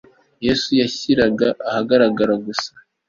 yesu yashyiraga ahagaragara gusa